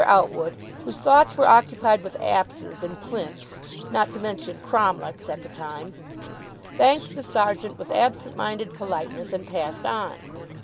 Outwood, whose thoughts were occupied with apses and plinths, not to mention cromlechs, at the time, thanked the sergeant with absent minded politeness and passed on.